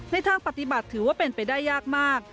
ทางปฏิบัติถือว่าเป็นไปได้ยากมาก